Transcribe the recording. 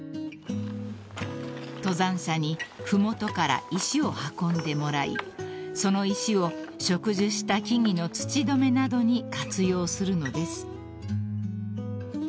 ［登山者に麓から石を運んでもらいその石を植樹した木々の土留めなどに活用するのです］